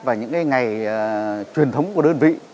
và những ngày truyền thống của đơn vị